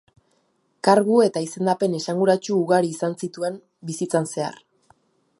Kargu eta izendapen esanguratsu ugari izan zituen bizitzan zehar.